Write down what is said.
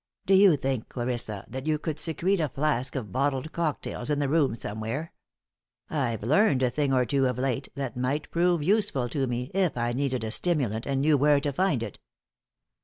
"Do you think, Clarissa, that you could secrete a flask of bottled cocktails in the room somewhere? I've learned a thing or two of late that might prove useful to me if I needed a stimulant and knew where to find it.